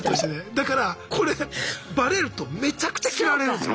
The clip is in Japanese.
だからこれバレるとめちゃくちゃ嫌われるんすよ。